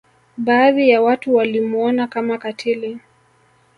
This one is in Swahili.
Baadhi ya watu walimwona Kama katili